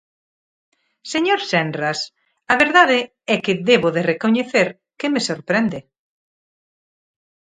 Señor Senras, a verdade é que debo de recoñecer que me sorprende.